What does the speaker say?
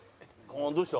どうした？